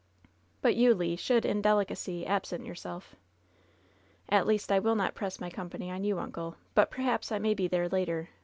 But you, Le, should, in delicacy, absent yourself." "At least, I will not press my company on you, uncle. But perhaps I may be there later.